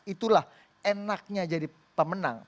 itulah enaknya jadi pemenang